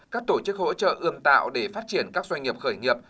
các tổ chức hỗ trợ ươm tạo để phát triển các doanh nghiệp khởi nghiệp